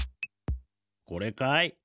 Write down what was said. これかい？